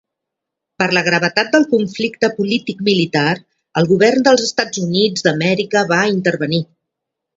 Per la gravetat del conflicte polític-militar, el govern dels Estats Units d'Amèrica va intervenir.